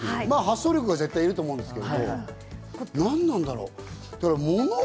まぁ、発想力は絶対いると思うんですが、何なんだろう？